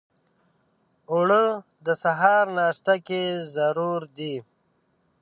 اوړه د سهار ناشته کې ضرور دي